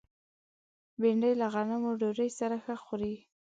بېنډۍ له غنمو ډوډۍ سره ښه خوري